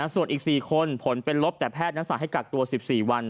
ส่วนอีก๔คนผลเป็นลบแต่แพทย์นั้นสั่งให้กักตัว๑๔วัน